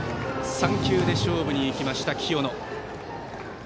３球で勝負に行きました、清野。